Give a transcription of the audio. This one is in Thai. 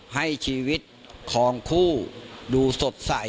ให้ชีวิตของคู่ดูสดใส